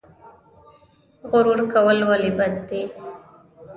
غرور کول ولې بد دي؟